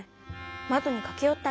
まどにかけよったり。